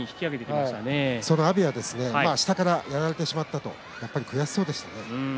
下からやられてしまったと悔しそうでした。